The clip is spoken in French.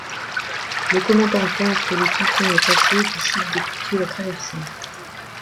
Le commandant pense que le typhon est passé et décide d'effectuer la traversée.